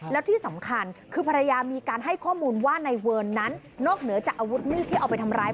แล้วที่สำคัญคือภรรยามีการให้ข้อมูลว่าในเวิร์นนั้นนอกเหนือจากอาวุธมีดที่เอาไปทำร้าย